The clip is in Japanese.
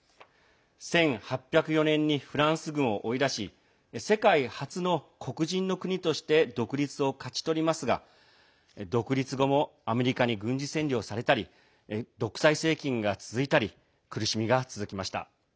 １８０４年にフランス軍を追い出し世界初の黒人の国として独立を勝ち取りますが独立後もアメリカに軍事占領されたり独裁政権が続いたり苦しみが続きました。